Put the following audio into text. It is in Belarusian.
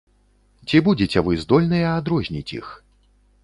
Ці будзеце вы здольныя адрозніць іх?